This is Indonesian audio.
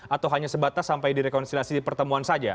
atau hanya sebatas sampai direkonstilasi pertemuan saja